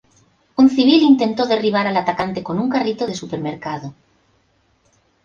Un civil intentó derribar al atacante con un carrito de supermercado.